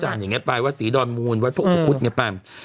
คุณพี่อยี้ไปไหน